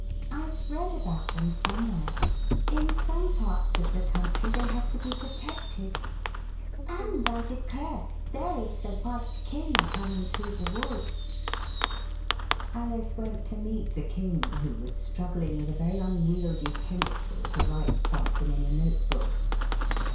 IVe read about them somewhere ; in some parts of the country they have to be protected. And, I declare, there is the White King coming through the Wood." Alice went to meet the King, who was struggling with a very unwieldy pencil to write something in a notebook.